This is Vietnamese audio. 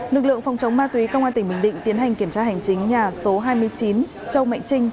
lực lượng phòng chống ma túy công an tỉnh bình định tiến hành kiểm tra hành chính nhà số hai mươi chín châu mạnh trinh